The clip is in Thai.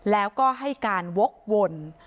แล้วก็ให้การวกวน